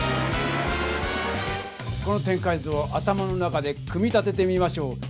この展開図を頭の中で組み立ててみましょう。